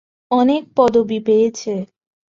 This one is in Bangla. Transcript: অনেক পদবি পেয়েছে।